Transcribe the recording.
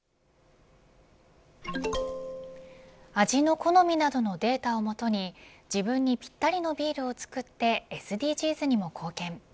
味の好みなどのデータを基に自分にぴったりのビールを作ってＳＤＧｓにも貢献。